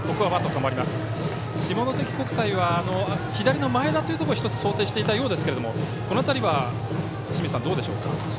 下関国際は左の前田というところを１つ想定していたようですけれどこの辺りはどうでしょうか。